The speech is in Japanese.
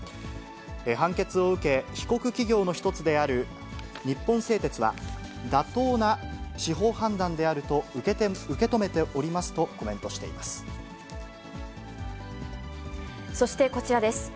判決を受け、被告企業の一つである日本製鉄は、妥当な司法判断であると受け止めそしてこちらです。